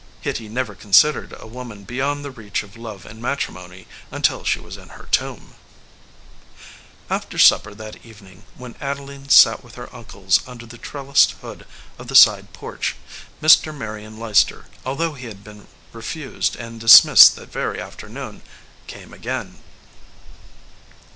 Hitty never considered a woman beyond the reach of love and matrimony until she was in her tomb. After supper that evening, when Adeline sat with her uncles under the trellised hood of the side porch, Mr. Marion Leicester, although he had been refused and dismissed that very afternoon, came again.